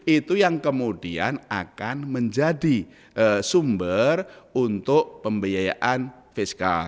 itu yang kemudian akan menjadi sumber untuk pembiayaan fiskal